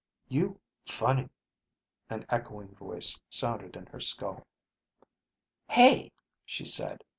You ... funny ... an echoing voice sounded in her skull. "Hey," she said.